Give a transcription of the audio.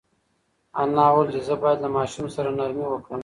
انا وویل چې زه باید له ماشوم سره نرمي وکړم.